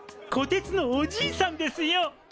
こてつのおじいさんですよ。